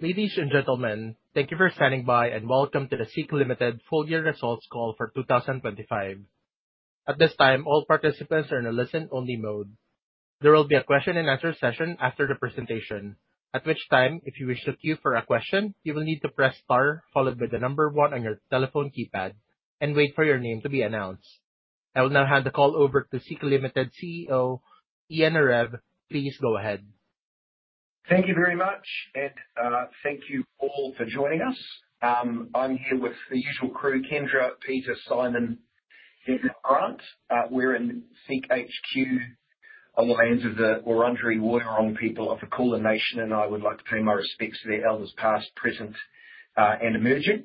Ladies and gentlemen, thank you for standing by and welcome to the SEEK Limited full-year results call for 2025. At this time, all participants are in a listen-only mode. There will be a question-and-answer session after the presentation, at which time, if you wish to queue for a question, you will need to press * followed by the number 1 on your telephone keypad and wait for your name to be announced. I will now hand the call over to SEEK Limited CEO, Ian Narev. Please go ahead. Thank you very much, and thank you all for joining us. I'm here with the usual crew: Kendra, Peter, Simon, and Grant. We're in SEEK HQ on the lands of the Wurundjeri Woi-wurrung people of the Kulin Nation, and I would like to pay my respects to their elders past, present, and emerging.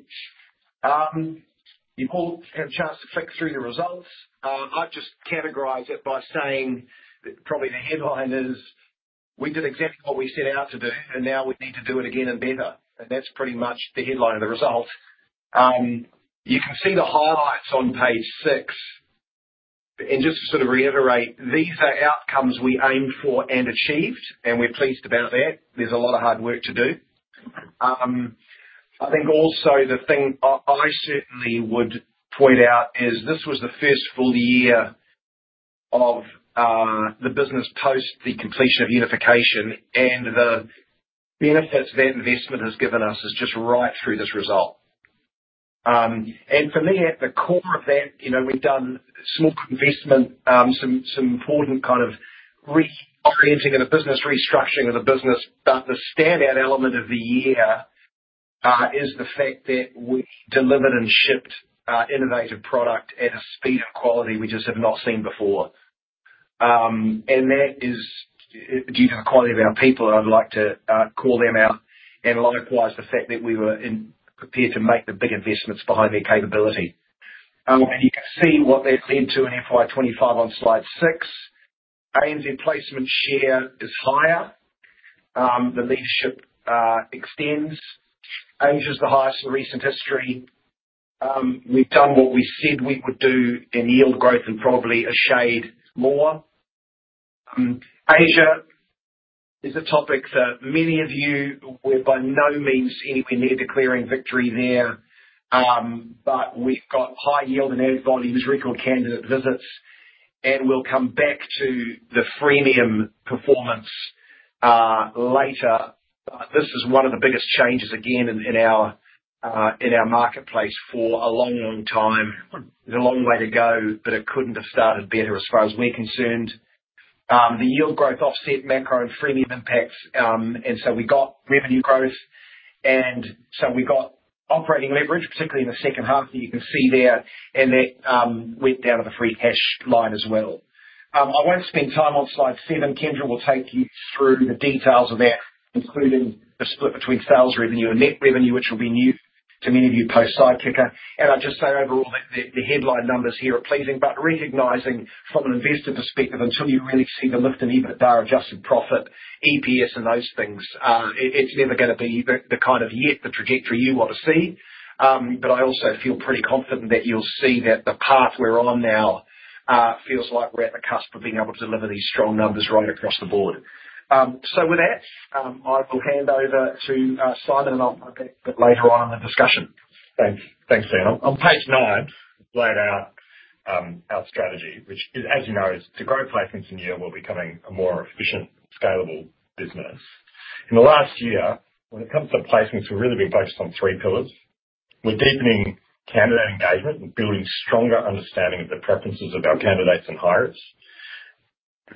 You've all had a chance to click through the results. I'd just categorize it by saying that probably the headline is, "We did exactly what we set out to do, and now we need to do it again and better." And that's pretty much the headline of the result. You can see the highlights on page six. And just to sort of reiterate, these are outcomes we aimed for and achieved, and we're pleased about that. There's a lot of hard work to do. I think also the thing I certainly would point out is this was the first full year of the business post the completion of unification, and the benefits that investment has given us is just right through this result. And for me, at the core of that, we've done small investment, some important kind of reorienting of the business, restructuring of the business. But the standout element of the year is the fact that we delivered and shipped innovative product at a speed and quality we just have not seen before. And that is due to the quality of our people. I'd like to call them out. And likewise, the fact that we were prepared to make the big investments behind their capability. And you can see what that led to in FY25 on slide 6. ANZ placement share is higher. The leadership extends. Asia is the highest in recent history. We've done what we said we would do in yield growth and probably a shade more. Asia is a topic that many of you were by no means anywhere near declaring victory there, but we've got high yield and added volumes, record candidate visits, and we'll come back to the freemium performance later, but this is one of the biggest changes again in our marketplace for a long, long time. There's a long way to go, but it couldn't have started better as far as we're concerned. The yield growth offset macro and freemium impacts, and so we got revenue growth, and so we got operating leverage, particularly in the second half that you can see there, and that went down to the free cash line as well. I won't spend time on slide seven. Kendra will take you through the details of that, including the split between sales revenue and net revenue, which will be new to many of you post Sidekicker. I'll just say overall that the headline numbers here are pleasing, but recognizing from an investor perspective, until you really see the lift in even underlying adjusted profit, EPS, and those things, it's never going to be the kind of trajectory you want to see. I also feel pretty confident that you'll see that the path we're on now feels like we're at the cusp of being able to deliver these strong numbers right across the board. With that, I will hand over to Simon, and I'll come back a bit later on in the discussion. Thanks. Thanks, Ian. On page nine, we laid out our strategy, which, as you know, is to grow placements this year while becoming a more efficient, scalable business. In the last year, when it comes to placements, we've really been focused on three pillars. We're deepening candidate engagement and building stronger understanding of the preferences of our candidates and hires.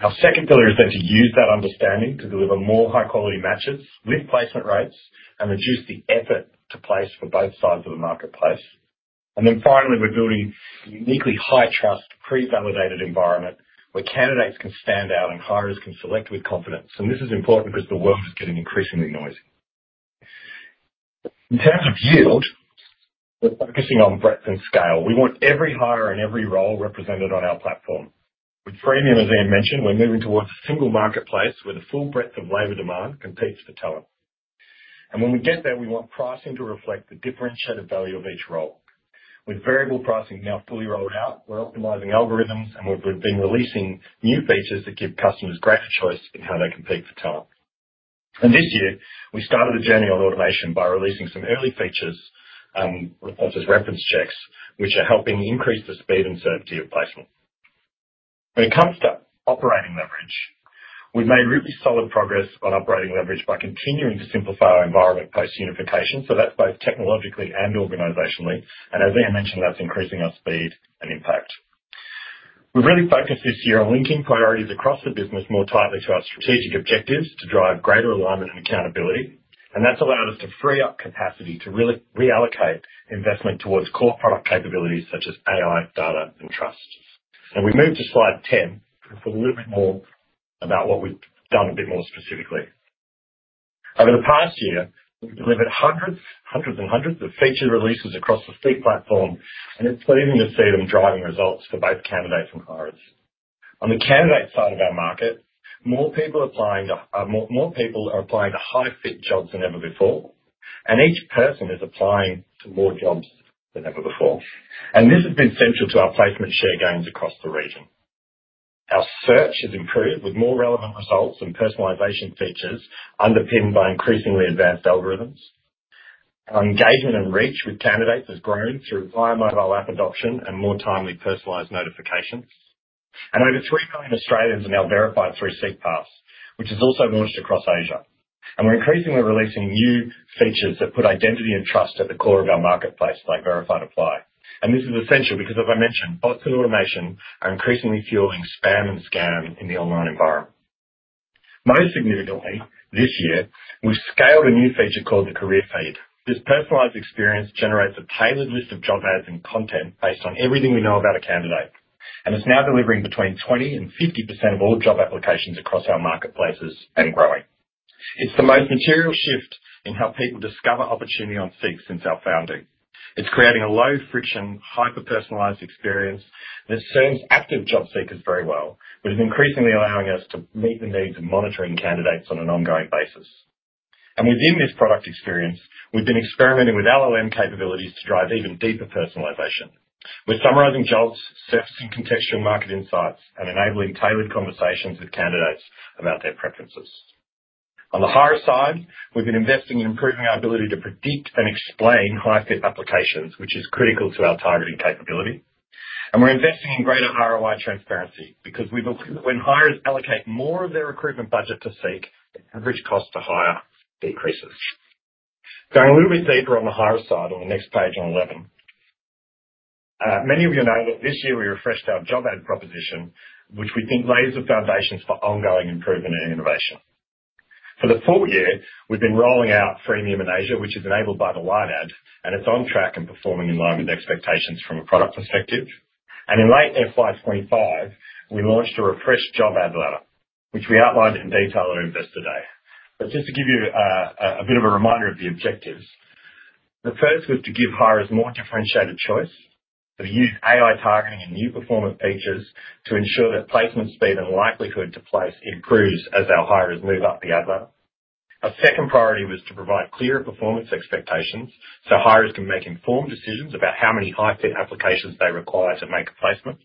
Our second pillar is then to use that understanding to deliver more high-quality matches with placement rates and reduce the effort to place for both sides of the marketplace. And then finally, we're building a uniquely high-trust, pre-validated environment where candidates can stand out and hires can select with confidence. And this is important because the world is getting increasingly noisy. In terms of yield, we're focusing on breadth and scale. We want every hire and every role represented on our platform. With freemium, as Ian mentioned, we're moving towards a single marketplace where the full breadth of labor demand competes for talent. And when we get there, we want pricing to reflect the differentiated value of each role. With variable pricing now fully rolled out, we're optimizing algorithms, and we've been releasing new features to give customers greater choice in how they compete for talent. And this year, we started the journey on automation by releasing some early features, reference checks, which are helping increase the speed and certainty of placement. When it comes to operating leverage, we've made really solid progress on operating leverage by continuing to simplify our environment post-unification. So that's both technologically and organizationally. And as Ian mentioned, that's increasing our speed and impact. We've really focused this year on linking priorities across the business more tightly to our strategic objectives to drive greater alignment and accountability. And that's allowed us to free up capacity to reallocate investment towards core product capabilities such as AI, data, and trust. We've moved to slide 10 for a little bit more about what we've done a bit more specifically. Over the past year, we've delivered hundreds and hundreds of feature releases across the SEEK platform, and it's pleasing to see them driving results for both candidates and hirers. On the candidate side of our market, more people are applying to high-fit jobs than ever before, and each person is applying to more jobs than ever before. This has been central to our placement share gains across the region. Our search has improved with more relevant results and personalization features underpinned by increasingly advanced algorithms. Our engagement and reach with candidates has grown through mobile app adoption and more timely personalized notifications. And over 3 million Australians are now verified through SEEK Pass, which is also launched across Asia. And we're increasingly releasing new features that put identity and trust at the core of our marketplace, like Verify and Apply. And this is essential because, as I mentioned, bots and automation are increasingly fueling spam and scam in the online environment. Most significantly, this year, we've scaled a new feature called the Career Feed. This personalized experience generates a tailored list of job ads and content based on everything we know about a candidate. And it's now delivering between 20% and 50% of all job applications across our marketplaces and growing. It's the most material shift in how people discover opportunity on SEEK since our founding. It's creating a low-friction, hyper-personalized experience that serves active job seekers very well, but is increasingly allowing us to meet the needs of monitoring candidates on an ongoing basis. And within this product experience, we've been experimenting with LLM capabilities to drive even deeper personalization. We're summarizing jobs, surfacing contextual market insights, and enabling tailored conversations with candidates about their preferences. On the hire side, we've been investing in improving our ability to predict and explain high-fit applications, which is critical to our targeted capability. And we're investing in greater ROI transparency because we believe that when hires allocate more of their recruitment budget to SEEK, the average cost to hire decreases. Going a little bit deeper on the hirer side on the next page on 11, many of you know that this year we refreshed our job ad proposition, which we think lays the foundations for ongoing improvement and innovation. For the full year, we've been rolling out freemium in Asia, which is enabled by the Lite Ad, and it's on track and performing in line with expectations from a product perspective. And in late FY25, we launched a refreshed Job Editor, which we outlined in detail earlier today. But just to give you a bit of a reminder of the objectives, the first was to give hirers more differentiated choice, to use AI targeting and new performance features to ensure that placement speed and likelihood to place improves as our hirers move up the Ad Ladder. A second priority was to provide clearer performance expectations so hires can make informed decisions about how many high-fit applications they require to make a placement,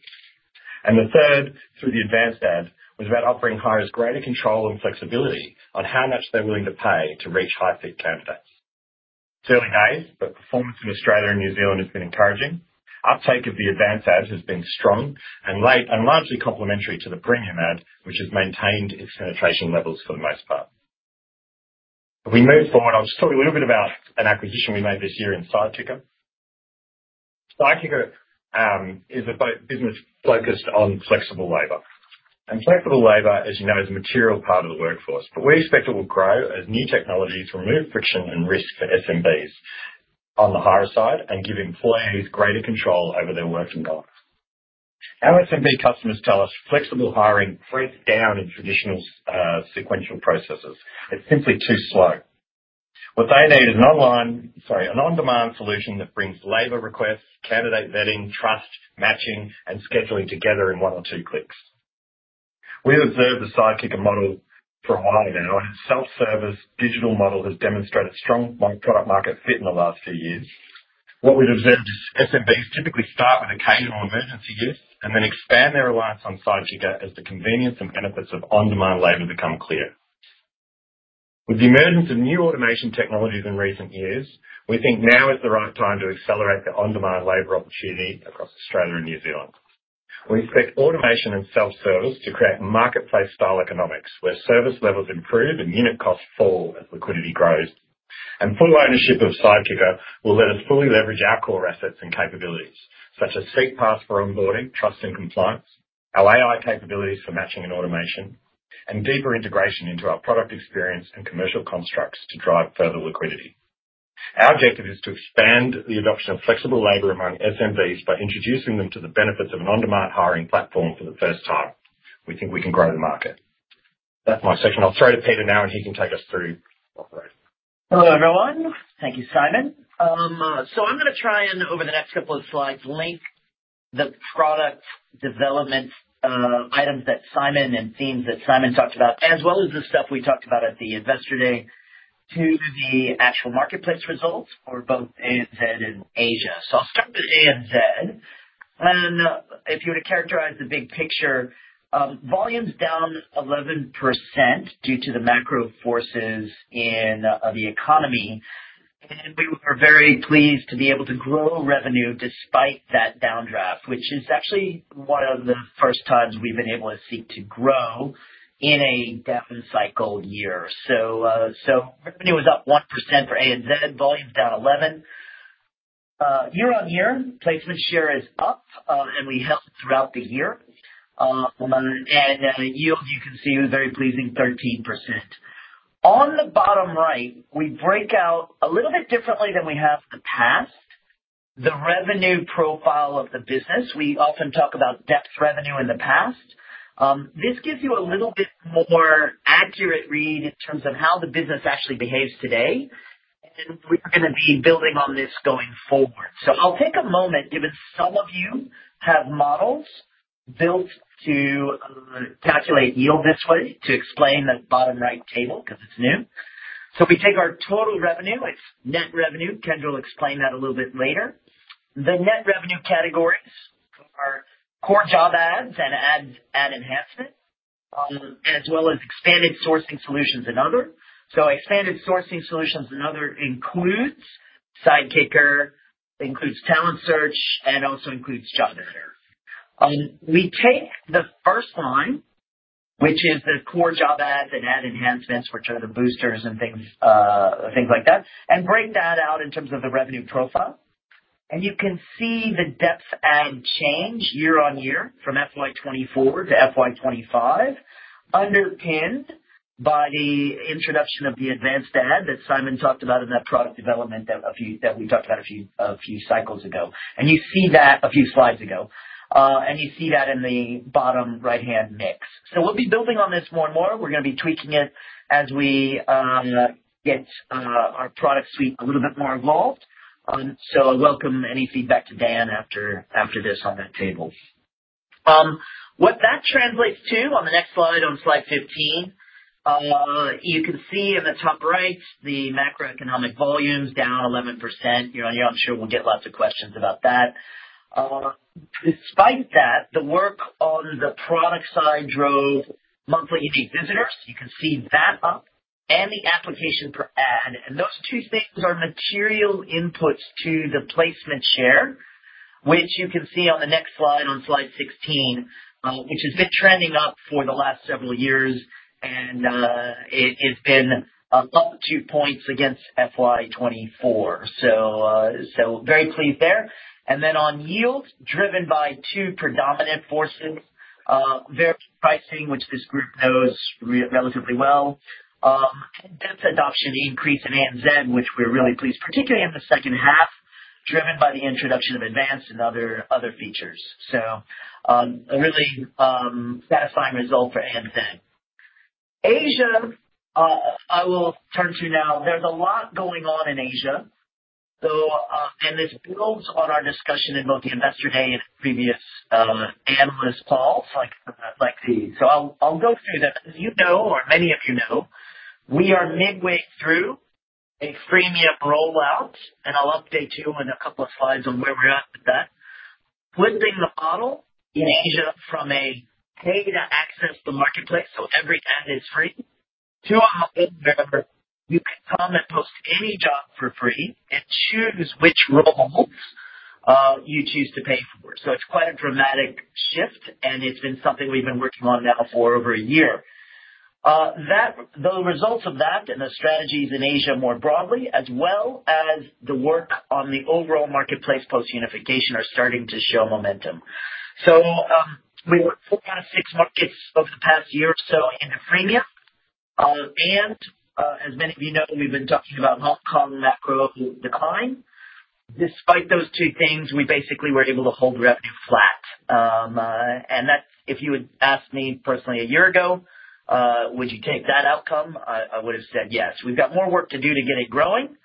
and the third, through the Advanced Ad, was about offering hires greater control and flexibility on how much they're willing to pay to reach high-fit candidates. It's early days, but performance in Australia and New Zealand has been encouraging. Uptake of the Advanced Ad has been strong and largely complementary to the Premium Ad, which has maintained its penetration levels for the most part. We move forward. I'll just talk a little bit about an acquisition we made this year in Sidekicker. Sidekicker is a business focused on flexible labor. Flexible labor, as you know, is a material part of the workforce, but we expect it will grow as new technologies remove friction and risk for SMBs on the hire side and give employees greater control over their working life. Our SMB customers tell us flexible hiring breaks down in traditional sequential processes. It's simply too slow. What they need is an online, sorry, an on-demand solution that brings labor requests, candidate vetting, trust, matching, and scheduling together in one or two clicks. We've observed the Sidekicker model for a while now. It's a self-service digital model that has demonstrated strong product-market fit in the last few years. What we've observed is SMBs typically start with occasional emergency use and then expand their reliance on Sidekicker as the convenience and benefits of on-demand labor become clear. With the emergence of new automation technologies in recent years, we think now is the right time to accelerate the on-demand labor opportunity across Australia and New Zealand. We expect automation and self-service to create marketplace-style economics where service levels improve and unit costs fall as liquidity grows. And full ownership of Sidekicker will let us fully leverage our core assets and capabilities, such as SEEK Pass for onboarding, trust and compliance, our AI capabilities for matching and automation, and deeper integration into our product experience and commercial constructs to drive further liquidity. Our objective is to expand the adoption of flexible labor among SMBs by introducing them to the benefits of an on-demand hiring platform for the first time. We think we can grow the market. That's my section. I'll throw to Peter now, and he can take us through operations. Hello, everyone. Thank you, Simon. So I'm going to try and, over the next couple of slides, link the product development items that Simon and themes that Simon talked about, as well as the stuff we talked about at the investor day, to the actual marketplace results for both ANZ and Asia. So I'll start with ANZ. And if you were to characterize the big picture, volumes down 11% due to the macro forces in the economy. And we were very pleased to be able to grow revenue despite that downdraft, which is actually one of the first times we've been able to SEEK to grow in a down cycle year. So revenue was up 1% for ANZ. Volumes down 11%. Year-on-year, placement share is up, and we held throughout the year. And yield, you can see, was very pleasing, 13%. On the bottom right, we break out a little bit differently than we have in the past. The revenue profile of the business. We often talk about depth revenue in the past. This gives you a little bit more accurate read in terms of how the business actually behaves today, and we're going to be building on this going forward, so I'll take a moment, given some of you have models built to calculate yield this way, to explain the bottom right table because it's new, so we take our total revenue. It's net revenue. Kendra will explain that a little bit later. The net revenue categories are Core Job Ads and Ad Enhancements, as well as Expanded Sourcing Solutions and Other, so Expanded Sourcing Solutions and Other includes Sidekicker, includes Talent Search, and also includes Job Editor. We take the first line, which is the Core Job Ads and Ad Enhancements, which are the boosters and things like that, and break that out in terms of the revenue profile. And you can see the depth ad change year-on-year from FY24 to FY25, underpinned by the introduction of the Advanced Ad that Simon talked about in that product development that we talked about a few cycles ago. And you see that a few slides ago. And you see that in the bottom right-hand mix. So we'll be building on this more and more. We're going to be tweaking it as we get our product suite a little bit more involved. So I welcome any feedback to Dan after this on that table. What that translates to on the next slide on slide 15, you can see in the top right, the macroeconomic volumes down 11% year-on-year. I'm sure we'll get lots of questions about that. Despite that, the work on the product side drove monthly unique visitors. You can see that up and the application per ad. And those two things are material inputs to the placement share, which you can see on the next slide on slide 16, which has been trending up for the last several years. And it has been up two points against FY24. So very pleased there. And then on yield, driven by two predominant forces, variable pricing, which this group knows relatively well, and depth adoption increase in ANZ, which we're really pleased, particularly in the second half, driven by the introduction of advanced and other features. So a really satisfying result for ANZ. Asia, I will turn to now. There's a lot going on in Asia, and this builds on our discussion in both the investor day and previous analyst calls. So I'll go through them. As you know, or many of you know, we are midway through a freemium rollout, and I'll update you in a couple of slides on where we're at with that. Flipping the model in Asia from a pay-to-access the marketplace, so every ad is free, to a model where you can come and post any job for free and choose which roles you choose to pay for. So it's quite a dramatic shift, and it's been something we've been working on now for over a year. The results of that and the strategies in Asia more broadly, as well as the work on the overall marketplace post-unification, are starting to show momentum. So we've worked for about six markets over the past year or so in the freemium. And as many of you know, we've been talking about Hong Kong macro decline. Despite those two things, we basically were able to hold revenue flat. And if you had asked me personally a year ago, would you take that outcome? I would have said yes. We've got more work to do to get it growing,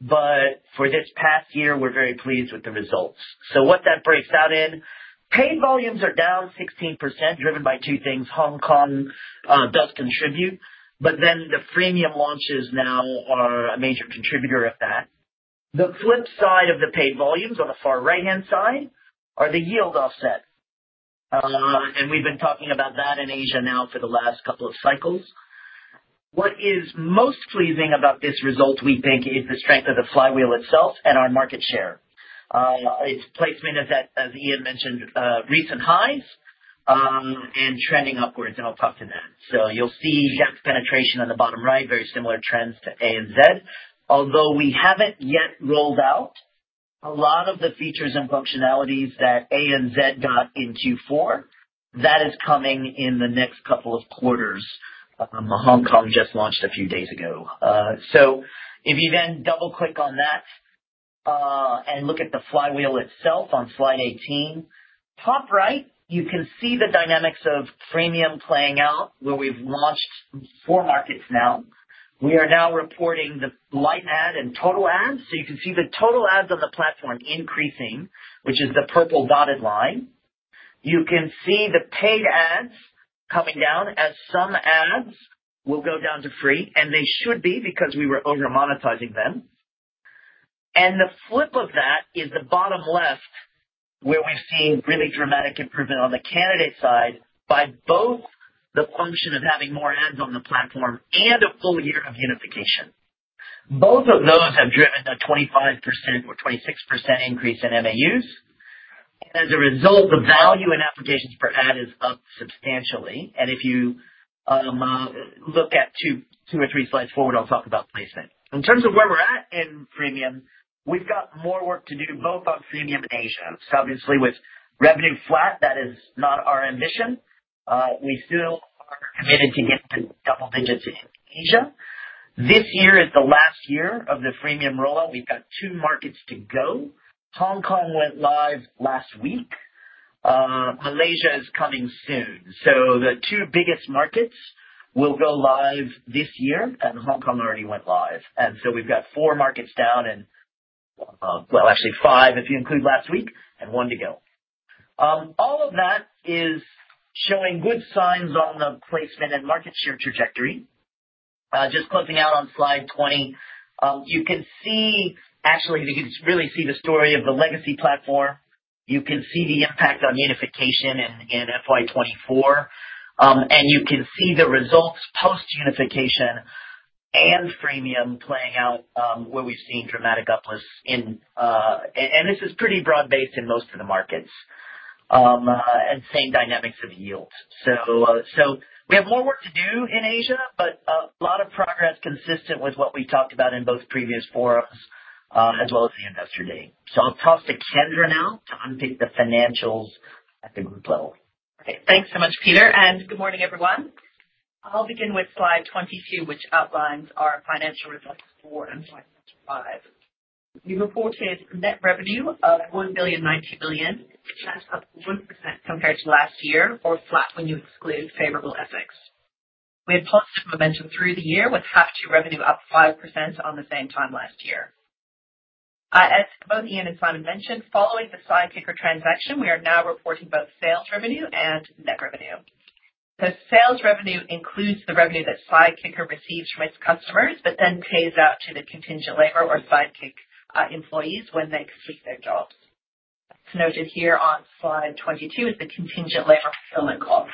but for this past year, we're very pleased with the results. So what that breaks out in, paid volumes are down 16%, driven by two things. Hong Kong does contribute, but then the freemium launches now are a major contributor of that. The flip side of the paid volumes on the far right-hand side are the yield offset. And we've been talking about that in Asia now for the last couple of cycles. What is most pleasing about this result, we think, is the strength of the flywheel itself and our market share. Its placement is at, as Ian mentioned, recent highs and trending upwards. And I'll talk to that. So you'll see depth penetration on the bottom right, very similar trends to ANZ. Although we haven't yet rolled out a lot of the features and functionalities that ANZ got in Q4, that is coming in the next couple of quarters. Hong Kong just launched a few days ago. So if you then double-click on that and look at the flywheel itself on slide 18, top right, you can see the dynamics of freemium playing out, where we've launched four markets now. We are now reporting the Lite Ad and total ads. So you can see the total ads on the platform increasing, which is the purple dotted line. You can see the paid ads coming down as some ads will go down to free, and they should be because we were over-monetizing them. And the flip of that is the bottom left, where we've seen really dramatic improvement on the candidate side by both the function of having more ads on the platform and a full year of Unification. Both of those have driven a 25% or 26% increase in MAUs. And as a result, the value in applications per ad is up substantially. And if you look at two or three slides forward, I'll talk about placement. In terms of where we're at in Freemium, we've got more work to do both on Freemium in Asia. So obviously, with revenue flat, that is not our ambition. We still are committed to getting to double digits in Asia. This year is the last year of the Freemium rollout. We've got two markets to go. Hong Kong went live last week. Malaysia is coming soon. So the two biggest markets will go live this year, and Hong Kong already went live. And so we've got four markets down and, well, actually five, if you include last week and one to go. All of that is showing good signs on the placement and market share trajectory. Just closing out on slide 20, you can see actually, you can really see the story of the legacy platform. You can see the impact on unification in FY24. And you can see the results post-unification and freemium playing out, where we've seen dramatic uplifts. And this is pretty broad-based in most of the markets and same dynamics of yield. So we have more work to do in Asia, but a lot of progress consistent with what we talked about in both previous forums as well as the investor day. So I'll toss to Kendra now to unpick the financials at the group level. Okay. Thanks so much, Peter, and good morning, everyone. I'll begin with slide 22, which outlines our financial results for FY 2025. We reported net revenue of 1,090,000,000, up 1% compared to last year, or flat when you exclude favorable FX. We had positive momentum through the year, with half-year revenue up 5% on the same time last year. As both Ian and Simon mentioned, following the Sidekicker transaction, we are now reporting both sales revenue and net revenue. So sales revenue includes the revenue that Sidekicker receives from its customers but then pays out to the contingent labor or Sidekicker employees when they complete their jobs. That's noted here on slide 22: the Contingent Labor Fulfillment Cost.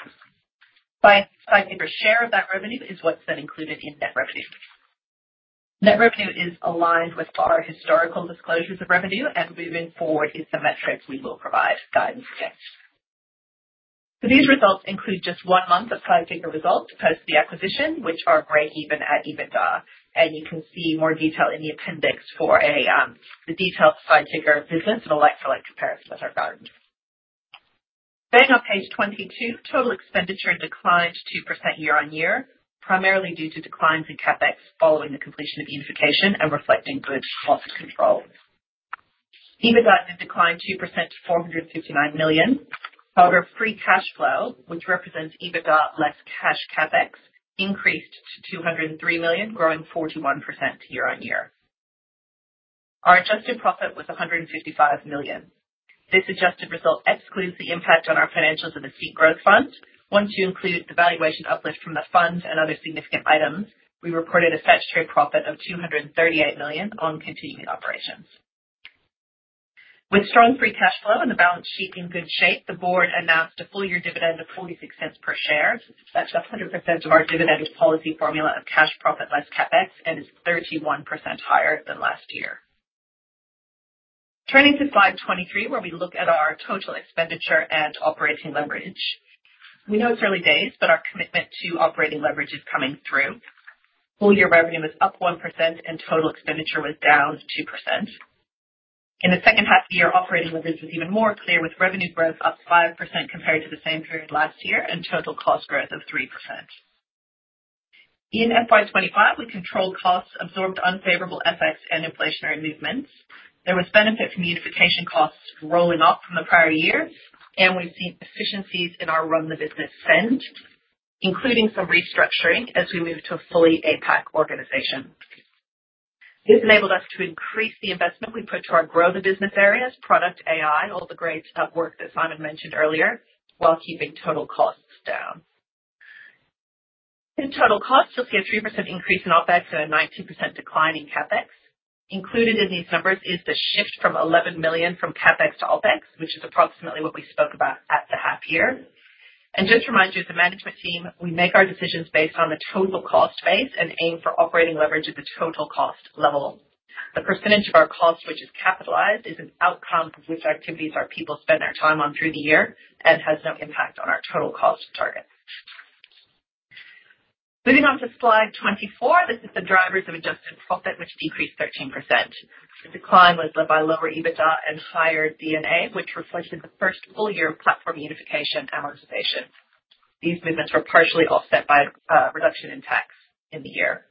Sidekicker's share of that revenue is what's then included in net revenue. Net revenue is aligned with our historical disclosures of revenue, and moving forward is the metric we will provide guidance against. So these results include just one month of Sidekicker results post the acquisition, which are break-even at EBITDA. And you can see more detail in the appendix for the detailed Sidekicker business in a like-for-like comparison with our guidance. Staying on page 22, total expenditure declined 2% year-on-year, primarily due to declines in CapEx following the completion of unification and reflecting good cost control. EBITDA did decline 2% to 459 million. However, free cash flow, which represents EBITDA less cash CapEx, increased to 203 million, growing 41% year-on-year. Our adjusted profit was 155 million. This adjusted result excludes the impact on our financials of the SEEK Growth Fund. Once you include the valuation uplift from the fund and other significant items, we reported a statutory profit of 238 million on continuing operations. With strong free cash flow and the balance sheet in good shape, the board announced a full-year dividend of 0.46 per share. That's 100% of our dividend policy formula of cash profit less CapEx and is 31% higher than last year. Turning to slide 23, where we look at our total expenditure and operating leverage. We know it's early days, but our commitment to operating leverage is coming through. Full-year revenue was up 1%, and total expenditure was down 2%. In the second half of the year, operating leverage was even more clear, with revenue growth up 5% compared to the same period last year and total cost growth of 3%. In FY25, we controlled costs, absorbed unfavorable effects and inflationary movements. There was benefit from unification costs rolling up from the prior year, and we've seen efficiencies in our run-the-business spend, including some restructuring as we moved to a fully APAC organization. This enabled us to increase the investment we put to our grow-the-business areas, product AI, all the great work that Simon mentioned earlier, while keeping total costs down. In total costs, you'll see a 3% increase in OpEx and a 19% decline in CapEx. Included in these numbers is the shift from 11 million from CapEx to OpEx, which is approximately what we spoke about at the half year. And just to remind you, as a management team, we make our decisions based on the total cost base and aim for operating leverage at the total cost level. The percentage of our cost, which is capitalized, is an outcome of which activities our people spend their time on through the year and has no impact on our total cost target. Moving on to slide 24, this is the drivers of adjusted profit, which decreased 13%. The decline was led by lower EBITDA and higher D&A, which reflected the first full year of platform unification amortization. These movements were partially offset by a reduction in tax in the year.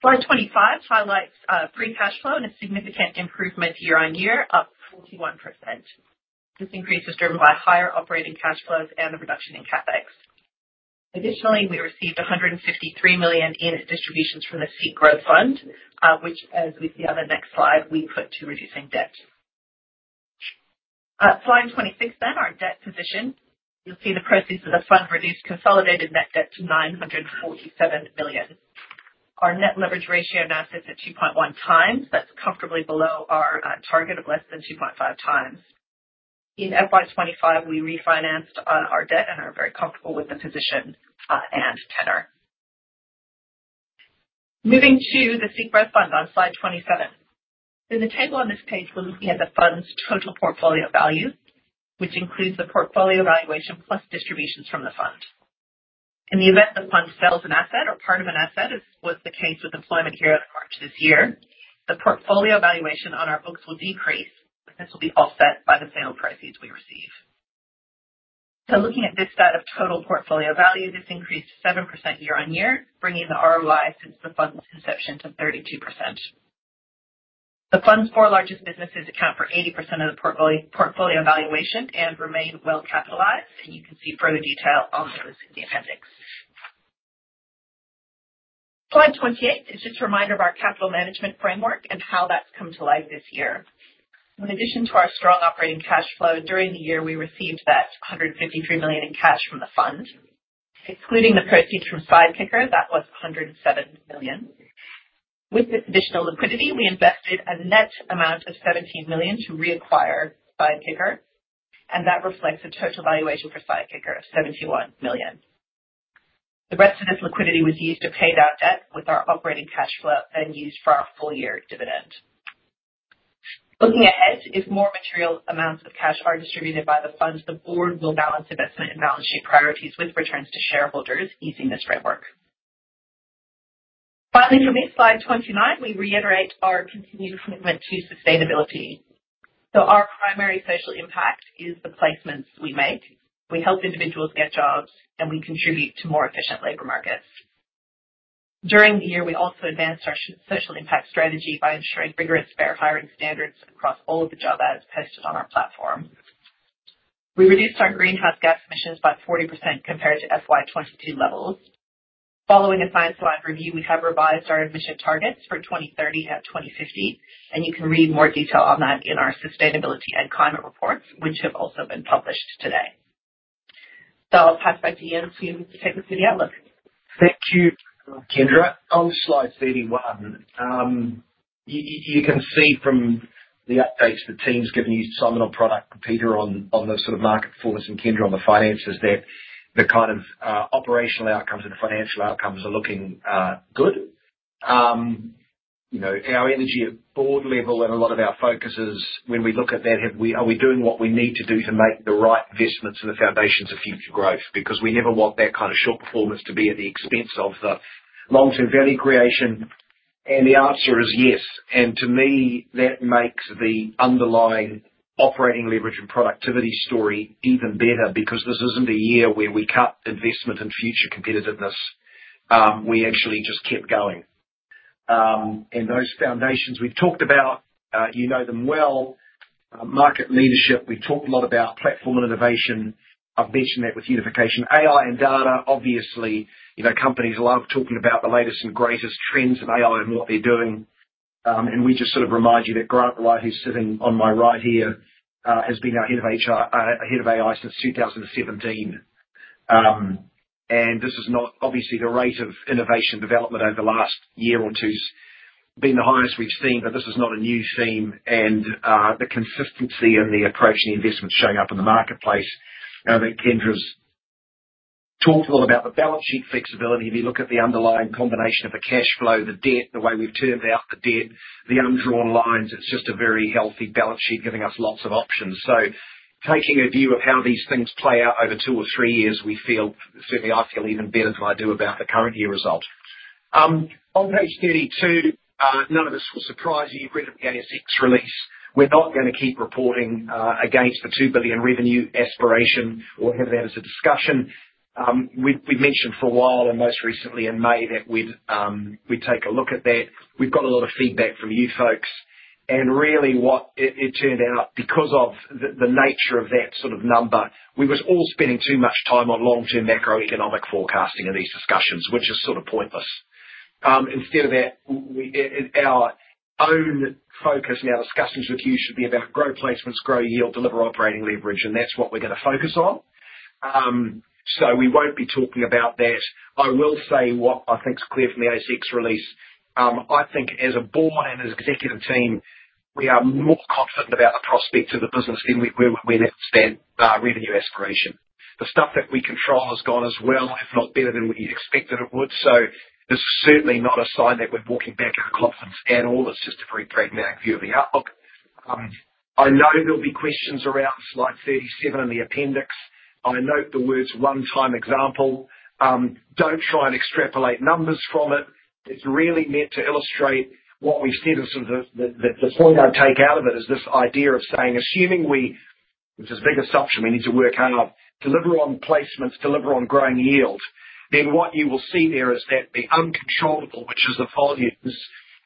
Slide 25 highlights free cash flow and a significant improvement year-on-year, up 41%. This increase is driven by higher operating cash flows and the reduction in CapEx. Additionally, we received 153 million in distributions from the seed growth fund, which, as we see on the next slide, we put to reducing debt. Slide 26, then, our debt position. You'll see the proceeds of the fund reduced consolidated net debt to 947 million. Our net leverage ratio now sits at 2.1 times. That's comfortably below our target of less than 2.5 times. In FY25, we refinanced our debt and are very comfortable with the position and tenor. Moving to the SEEK Growth Fund on slide 27. In the table on this page, we're looking at the fund's total portfolio value, which includes the portfolio valuation plus distributions from the fund. In the event the fund sells an asset or part of an asset, as was the case with Employment Hero in March this year, the portfolio valuation on our books will decrease, but this will be offset by the sale prices we receive. So looking at this set of total portfolio value, this increased 7% year-on-year, bringing the ROI since the fund's inception to 32%. The fund's four largest businesses account for 80% of the portfolio valuation and remain well-capitalized, and you can see further detail on those in the appendix. Slide 28 is just a reminder of our capital management framework and how that's come to life this year. In addition to our strong operating cash flow, during the year, we received that 153 million in cash from the fund. Excluding the proceeds from Sidekicker, that was 107 million. With this additional liquidity, we invested a net amount of 17 million to reacquire Sidekicker, and that reflects a total valuation for Sidekicker of 71 million. The rest of this liquidity was used to pay down debt with our operating cash flow and used for our full-year dividend. Looking ahead, if more material amounts of cash are distributed by the fund, the board will balance investment and balance sheet priorities with returns to shareholders, using this framework. Finally, for next slide 29, we reiterate our continued commitment to sustainability. Our primary social impact is the placements we make. We help individuals get jobs, and we contribute to more efficient labor markets. During the year, we also advanced our social impact strategy by ensuring rigorous fair hiring standards across all of the job ads posted on our platform. We reduced our greenhouse gas emissions by 40% compared to FY22 levels. Following a science-led review, we have revised our emission targets for 2030 and 2050. You can read more detail on that in our sustainability and climate reports, which have also been published today. I'll pass back to Ian soon to take us through the outlook. Thank you, Kendra. On slide 31, you can see from the updates that the team's given you, Simon on product, Peter on the sort of market performance, and Kendra on the finances, that the kind of operational outcomes and the financial outcomes are looking good. Our energy at board level and a lot of our focuses, when we look at that, are we doing what we need to do to make the right investments in the foundations of future growth? Because we never want that kind of short-term performance to be at the expense of the long-term value creation. And the answer is yes. And to me, that makes the underlying operating leverage and productivity story even better because this isn't a year where we cut investment and future competitiveness. We actually just kept going. And those foundations we've talked about, you know them well. Market leadership, we've talked a lot about platform and innovation. I've mentioned that with unification. AI and data, obviously, companies love talking about the latest and greatest trends in AI and what they're doing. We just sort of remind you that Grant Wright, who's sitting on my right here, has been our head of AI since 2017. This is not obviously the rate of innovation development over the last year or two has been the highest we've seen, but this is not a new theme. The consistency in the approach and the investment showing up in the marketplace, I think Kendra's talked a lot about the balance sheet flexibility. If you look at the underlying combination of the cash flow, the debt, the way we've turned out the debt, the undrawn lines, it's just a very healthy balance sheet giving us lots of options. Taking a view of how these things play out over two or three years, we feel, certainly I feel, even better than I do about the current year result. On page 32, none of this will surprise you. You've read up against ASX release. We're not going to keep reporting against the 2 billion revenue aspiration or have that as a discussion. We've mentioned for a while and most recently in May that we'd take a look at that. We've got a lot of feedback from you folks. And really, what it turned out, because of the nature of that sort of number, we were all spending too much time on long-term macroeconomic forecasting in these discussions, which is sort of pointless. Instead of that, our own focus now, discussions with you, should be about growing placements, growing yield, delivering operating leverage, and that's what we're going to focus on. So we won't be talking about that. I will say what I think is clear from the ASX release. I think as a board and as an executive team, we are more confident about the prospects of the business than we were when we announced revenue aspiration. The stuff that we control has gone as well, if not better, than we expected it would. So it's certainly not a sign that we're walking back our confidence at all. It's just a very pragmatic view of the outlook. I know there'll be questions around slide 37 in the appendix. I note the words "one-time example." Don't try and extrapolate numbers from it. It's really meant to illustrate what we've said. The point I take out of it is this idea of saying, assuming we, which is a big assumption we need to work out, deliver on placements, deliver on growing yield, then what you will see there is that the uncontrollable, which is the volumes,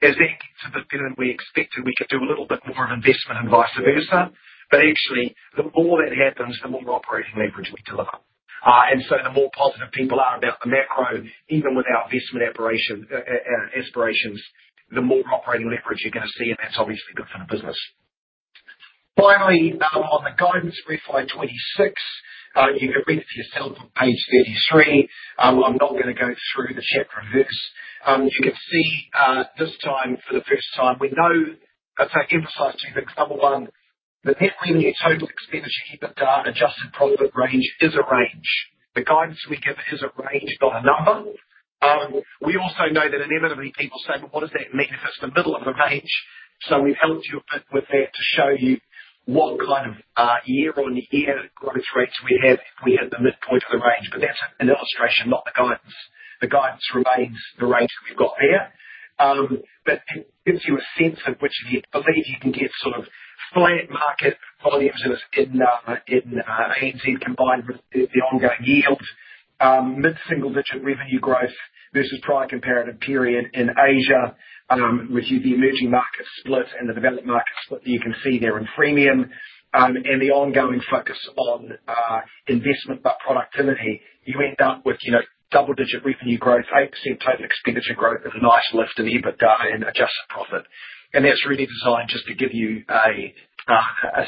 is that to the point that we expected we could do a little bit more of investment and vice versa. But actually, the more that happens, the more operating leverage we deliver. And so the more positive people are about the macro, even with our investment aspirations, the more operating leverage you're going to see, and that's obviously good for the business. Finally, on the guidance for FY26, you can read it for yourself on page 33. I'm not going to go through the chapter and verse. You can see this time for the first time, we know to emphasize two things. Number one, the net revenue total expenditure EBITDA adjusted profit range is a range. The guidance we give it is a range, not a number. We also know that inevitably people say, "Well, what does that mean if it's the middle of the range?" So we've helped you a bit with that to show you what kind of year-on-year growth rates we'd have if we had the midpoint of the range. But that's an illustration, not the guidance. The guidance remains the range that we've got there. But it gives you a sense of which, if you believe you can get sort of flat market volumes in ANZ combined with the ongoing yield, mid-single-digit revenue growth versus prior comparative period in Asia, which is the emerging market split and the developed market split that you can see there in freemium, and the ongoing focus on investment but productivity. You end up with double-digit revenue growth, 8% total expenditure growth, with a nice lift in EBITDA and adjusted profit, and that's really designed just to give you a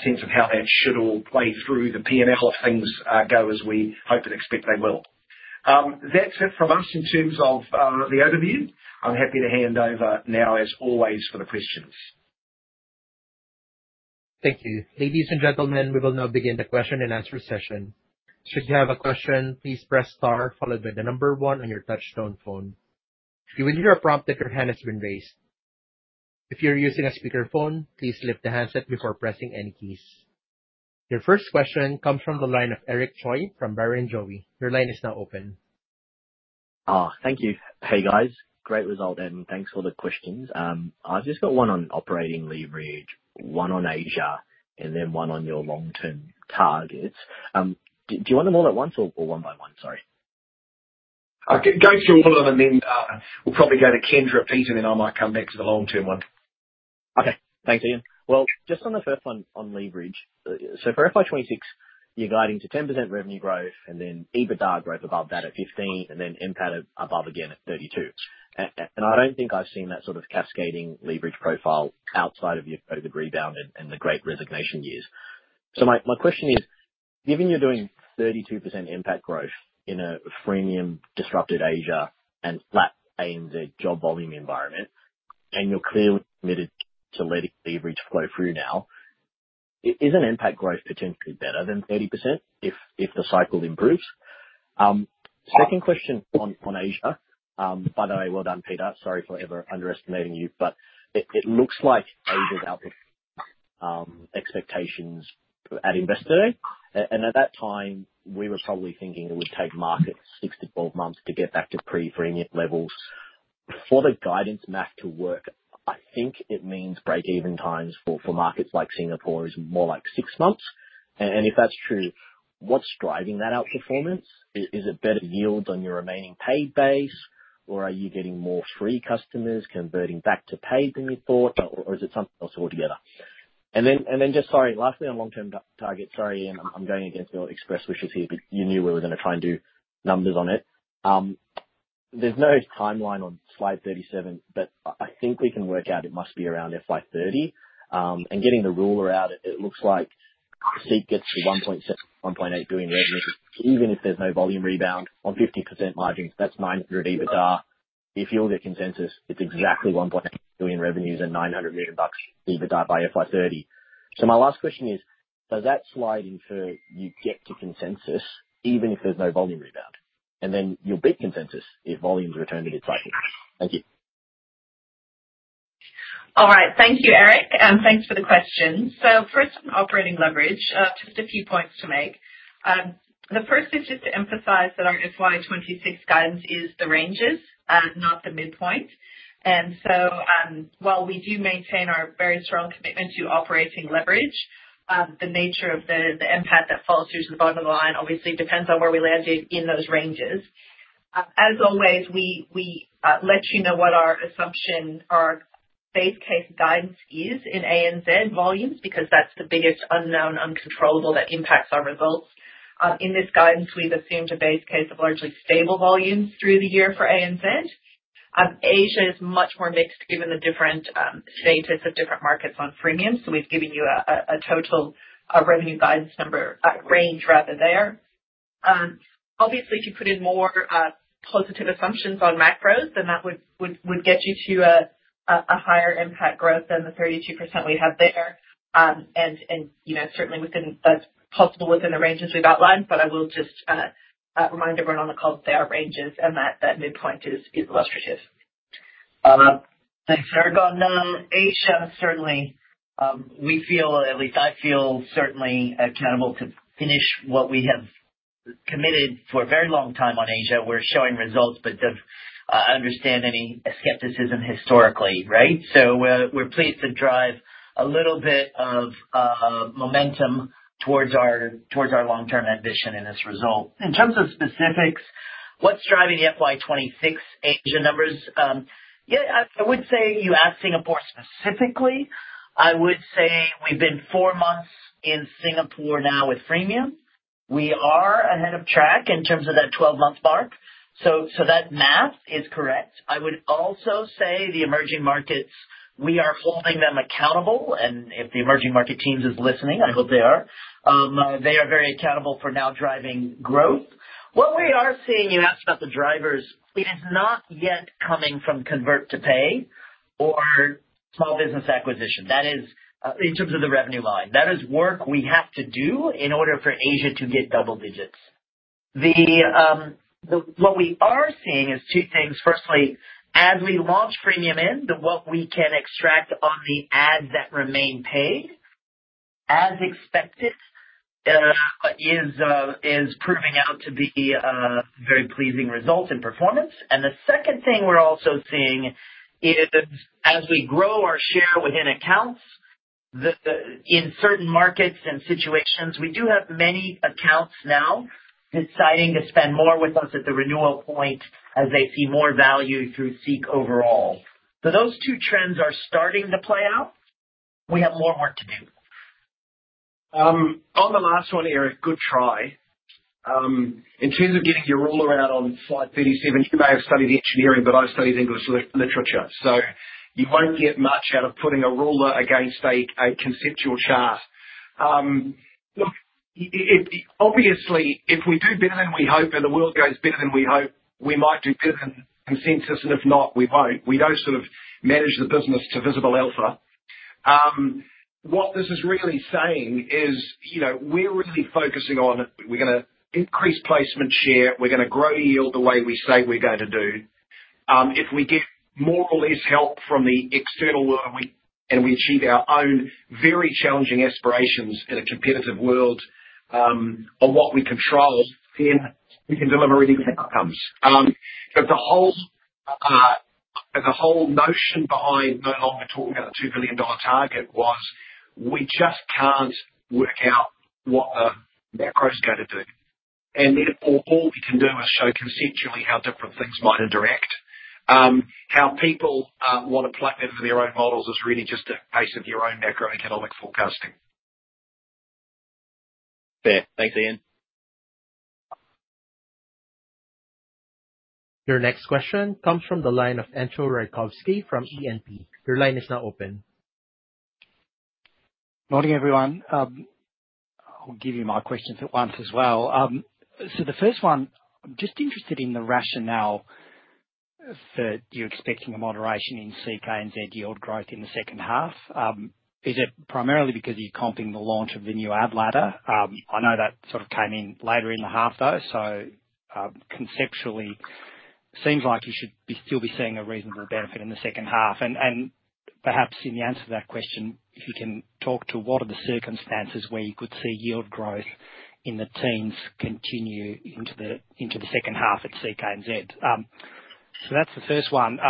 sense of how that should all play through the P&L if things go as we hope and expect they will. That's it from us in terms of the overview. I'm happy to hand over now, as always, for the questions. Thank you. Ladies and gentlemen, we will now begin the question and answer session. Should you have a question, please press star followed by the number one on your touch-tone phone. If you hear a prompt that your hand has been raised. If you're using a speakerphone, please lift the handset before pressing any keys. Your first question comes from the line of Eric Choi from Barrenjoey. Your line is now open. Oh, thank you. Hey, guys. Great result, and thanks for the questions. I've just got one on operating leverage, one on Asia, and then one on your long-term targets. Do you want them all at once or one by one? Sorry. Go through all of them, and then we'll probably go to Kendra, Pete, and then I might come back to the long-term one. Okay. Thanks, Ian. Well, just on the first one on leverage, so for FY26, you're guiding to 10% revenue growth, and then EBITDA growth above that at 15%, and then NPAT above again at 32%. And I don't think I've seen that sort of cascading leverage profile outside of the rebound and the great resignation years. So my question is, given you're doing 32% NPAT growth in a freemium disrupted Asia and flat ANZ job volume environment, and you're clearly committed to letting leverage flow through now, isn't PAT growth potentially better than 30% if the cycle improves? Second question on Asia. By the way, well done, Peter. Sorry for ever underestimating you, but it looks like Asia's outlook expectations at investor day. And at that time, we were probably thinking it would take markets 6-12 months to get back to pre-freemium levels. For the guidance map to work, I think it means break-even times for markets like Singapore is more like six months. And if that's true, what's driving that outperformance? Is it better yields on your remaining paid base, or are you getting more free customers converting back to paid than you thought, or is it something else altogether? And then just, sorry, lastly, on long-term targets, sorry, Ian I'm going against your express wishes here, but you knew we were going to try and do numbers on it. There's no timeline on slide 37, but I think we can work out it must be around FY30. And getting the ruler out, it looks like SEEK gets to 1.7-1.8 billion revenue, even if there's no volume rebound. On 50% margins, that's 900 million EBITDA. If you'll get consensus, it's exactly 1.8 billion revenues and 900 million bucks EBITDA by FY30. So my last question is, does that slide infer you get to consensus even if there's no volume rebound? And then you'll beat consensus if volumes return to this cycle. Thank you. All right. Thank you, Eric, and thanks for the questions. So first, on operating leverage, just a few points to make. The first is just to emphasize that our FY26 guidance is the ranges, not the midpoint. And so while we do maintain our very strong commitment to operating leverage, the nature of the NPAT that falls through to the bottom of the line obviously depends on where we land in those ranges. As always, we let you know what our assumption or our base case guidance is in ANZ volumes because that's the biggest unknown uncontrollable that impacts our results. In this guidance, we've assumed a base case of largely stable volumes through the year for ANZ. Asia is much more mixed given the different status of different markets on freemiums, so we've given you a total revenue guidance number range rather there. Obviously, if you put in more positive assumptions on macros, then that would get you to a higher NPAT growth than the 32% we have there, and certainly, that's possible within the ranges we've outlined, but I will just remind everyone on the call that they are ranges and that midpoint is illustrative. Thanks, Eric. On Asia, certainly, we feel, at least I feel, certainly accountable to finish what we have committed for a very long time on Asia. We're showing results, but don't understand any skepticism historically, right? So we're pleased to drive a little bit of momentum towards our long-term ambition in this result. In terms of specifics, what's driving the FY26 Asia numbers? Yeah, I would say you asked Singapore specifically. I would say we've been four months in Singapore now with freemium. We are ahead of track in terms of that 12-month mark. So that math is correct. I would also say the emerging markets, we are holding them accountable. And if the emerging market teams are listening, I hope they are, they are very accountable for now driving growth. What we are seeing, you asked about the drivers. It is not yet coming from convert to pay or small business acquisition. That is, in terms of the revenue line, that is work we have to do in order for Asia to get double digits. What we are seeing is two things. Firstly, as we launch freemium in, what we can extract on the ads that remain paid, as expected, is proving out to be very pleasing results and performance. And the second thing we're also seeing is, as we grow our share within accounts, in certain markets and situations, we do have many accounts now deciding to spend more with us at the renewal point as they see more value through SEEK overall. So those two trends are starting to play out. We have more work to do. On the last one, Eric, good try. In terms of getting your ruler out on slide 37, you may have studied engineering, but I've studied English literature. So you won't get much out of putting a ruler against a conceptual chart. Look, obviously, if we do better than we hope and the world goes better than we hope, we might do better than consensus, and if not, we won't. We don't sort of manage the business to Visible Alpha. What this is really saying is we're really focusing on. We're going to increase placement share. We're going to grow yield the way we say we're going to do. If we get more or less help from the external world and we achieve our own very challenging aspirations in a competitive world on what we control, then we can deliver really good outcomes. The whole notion behind no longer talking about the 2 billion dollar target was we just can't work out what the macro's going to do. Therefore, all we can do is show conceptually how different things might interact. How people want to plug them into their own models is really just a case of your own macroeconomic forecasting. Fair. Thanks, Ian. Your next question comes from the line of Entcho Raykovski from E&P. Your line is now open. Morning, everyone. I'll give you my questions at once as well. So the first one, I'm just interested in the rationale that you're expecting a moderation in SEEK ANZ yield growth in the second half. Is it primarily because you're comping the launch of the new Ad Ladder? I know that sort of came in later in the half, though. So conceptually, it seems like you should still be seeing a reasonable benefit in the second half. And perhaps in the answer to that question, if you can talk to what are the circumstances where you could see yield growth in the teens continue into the second half at SEEK ANZ. So that's the first one.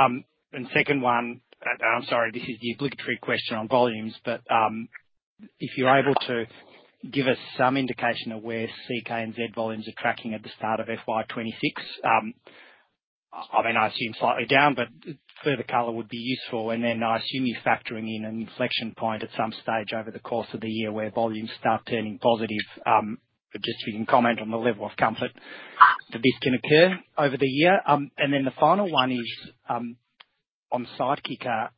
And second one, and I'm sorry, this is the obligatory question on volumes, but if you're able to give us some indication of where SEEK ANZ volumes are tracking at the start of FY26, I mean, I assume slightly down, but further color would be useful. And then I assume you're factoring in an inflection point at some stage over the course of the year where volumes start turning positive, just so we can comment on the level of comfort that this can occur over the year. And then the final one is on Sidekicker.